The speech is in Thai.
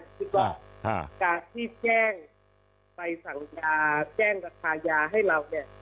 คิดว่าอ่าจากที่แจ้งไปสั่งยาแจ้งราคายาให้เราเนี่ยถ้าถ้าตอนนั้น